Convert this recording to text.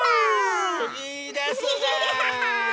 いいですね！